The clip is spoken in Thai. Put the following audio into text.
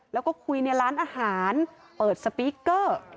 แล้วก็คุยในร้านอาหารเปิดสปีกเกอร์